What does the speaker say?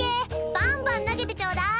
バンバン投げてちょうだい！